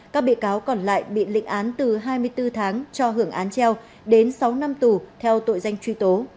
các bị cáo còn lại bị lịnh án từ hai mươi bốn tháng cho hưởng án treo đến sáu năm tù theo tội danh truy tố